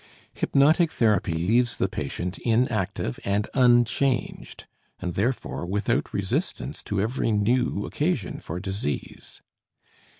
Hypnotic therapy leaves the patient inactive and unchanged, and therefore without resistance to every new occasion for disease.